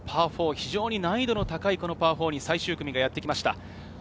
非常に難易度の高いパー４に最終組がやってきました。